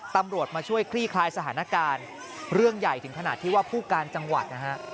ตำรวจมาช่วยคลี่คลายสถานการณ์เรื่องใหญ่ถึงขนาดที่ว่าผู้การจังหวัดนะฮะ